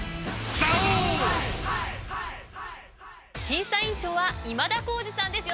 審査委員長は今田耕司さんです。